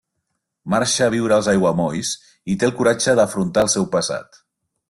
Marxa viure als aiguamolls i té el coratge d'afrontar el seu passat.